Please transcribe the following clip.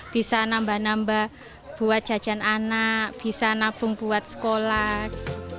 bisa nambah nambah buat jajan anak bisa nabung buat sekolah